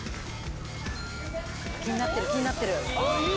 気になってる、気になってる。